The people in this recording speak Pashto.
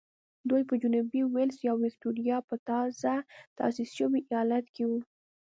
دوی په جنوبي وېلز یا د ویکټوریا په تازه تاسیس شوي ایالت کې وو.